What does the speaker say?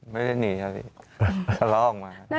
ไม่ได้หนีครับล้อออกมา